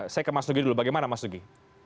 saya ke mas nugi dulu bagaimana mas nugi